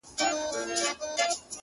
ورته ښېراوي هر ماښام كومه-